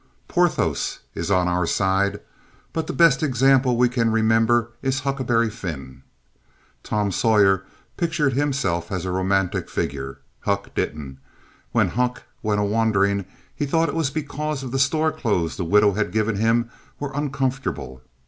Porthos is on our side. But the best example we can remember is Huckleberry Finn. Tom Sawyer pictured himself as a romantic figure. Huck didn't. When Huck went a wandering he thought it was because the store clothes the widow had given him were uncomfortable.